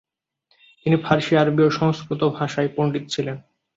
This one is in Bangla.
তিনি ফার্সি, আরবি ও সংস্কৃৃত ভাষায় পণ্ডিত ছিলেন।